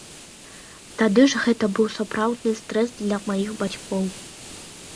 Тады ж гэта быў сапраўдны стрэс для маіх бацькоў.